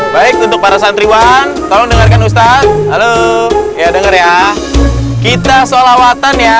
baik untuk para santriwan tolong dengarkan ustadz halo ya dengar ya kita solawatan ya